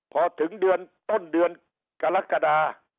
พอถึงเดือนต้นเดือนกรกฎา